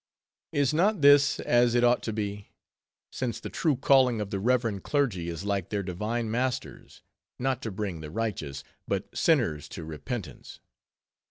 Is not this as it ought to be? since the true calling of the reverend clergy is like their divine Master's;—not to bring the righteous, but sinners to repentance.